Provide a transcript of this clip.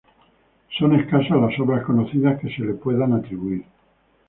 Son escasas las obras conocidas que se le pueden atribuir.